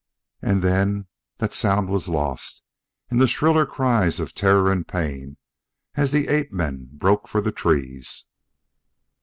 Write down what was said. And then that sound was lost in the shriller cries of terror and pain as the ape men broke for the trees.